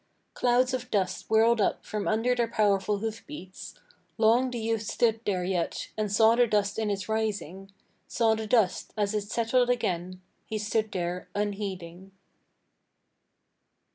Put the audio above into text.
Clouds of dust whirled up from under their powerful hoofbeats. Long the youth stood there yet, and saw the dust in its rising, Saw the dust as it settled again: he stood there unheeding.